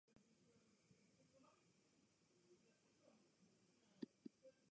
Hawthorn picked up Croad with the third overall selection in the draft.